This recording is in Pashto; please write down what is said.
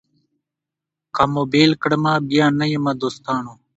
که مو بېل کړمه بیا نه یمه دوستانو